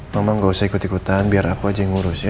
mama gak usah ikut ikutan biar aku aja yang ngurus ya